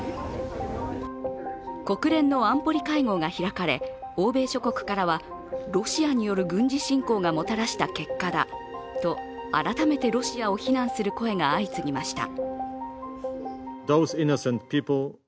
国連の安保理会合が開かれ欧米諸国からはロシアによる軍事侵攻がもたらした結果だと改めてロシアを非難する声が相次ぎました。